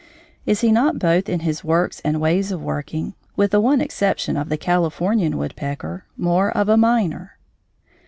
Is he not both in his works and ways of working with the one exception of the Californian woodpecker more of a miner?